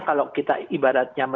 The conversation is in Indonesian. kalau kita ibaratnya